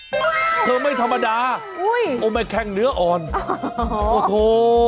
ว้าวคือไม่ธรรมดาโอเมคแข่งเนื้ออ่อนโอ้โธ